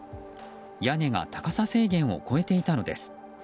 屋根が高さ制限を超えていたのです。